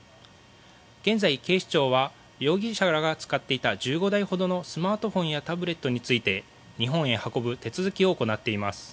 現在、警視庁は容疑者らが使っていた１５台ほどのスマートフォンやタブレットについて日本へ運ぶ手続きを行っています。